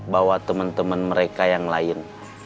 bawa temen temen mereka yang lain